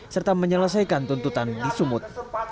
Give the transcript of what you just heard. serta menyelesaikan tuntutan di sumut